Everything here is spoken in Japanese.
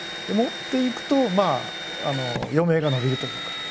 で持っていくと余命が延びるというか。